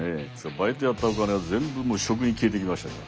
バイトやったお金は全部食に消えていきましたから。